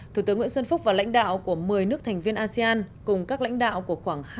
thủ tướng nguyễn xuân phúc và lãnh đạo của một mươi nước thành viên asean